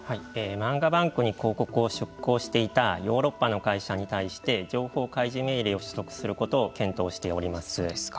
漫画ＢＡＮＫに広告を出稿していたヨーロッパの会社に対して情報開示命令を取得することを検討しております。